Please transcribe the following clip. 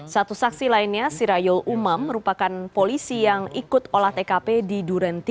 satu saksi lainnya sirayo umam merupakan polisi yang ikut olah tkp di duren tiga